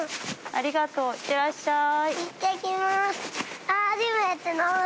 ありがとういってらっしゃい。